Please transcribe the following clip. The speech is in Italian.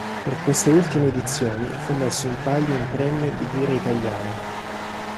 Per queste ultime edizioni fu messo in palio un premio di lire italiane.